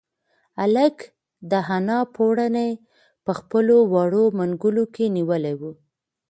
هلک د انا پړونی په خپلو وړو منگولو کې نیولی و.